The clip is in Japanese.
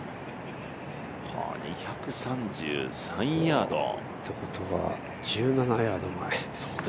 ２３３ヤード。ということは、１７ヤード前。